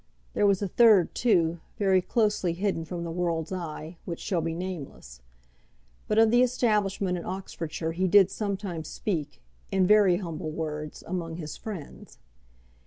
There was a third, too, very closely hidden from the world's eye, which shall be nameless; but of the establishment in Oxfordshire he did sometimes speak, in very humble words, among his friends.